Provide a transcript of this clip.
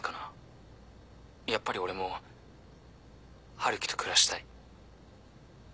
やっぱり俺も春樹と暮らしたい。